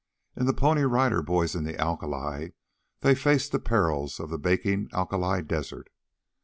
In "THE PONY RIDER BOYS IN THE ALKALI," they faced the perils of the baking alkali desert.